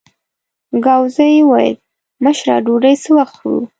ګاووزي وویل: مشره ډوډۍ څه وخت خورو؟